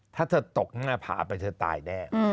ถ้าเธอตกข้างหน้าผ่าไปเธอตายแน่